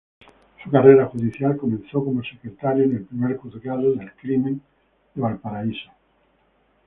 Su carrera judicial comenzó como secretario en el Primer Juzgado del Crimen de Valparaíso.